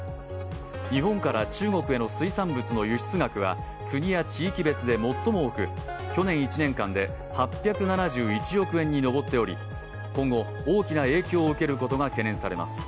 日本から中国への水産物の輸出額は、国や地域別で最も多く、去年１年間で８７１億円に上っており、今後大きな影響を受けることが懸念されます。